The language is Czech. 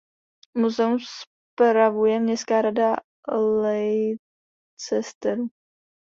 Muzeum spravuje městská rada Leicesteru.